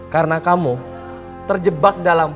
karena kamu terjebak dalam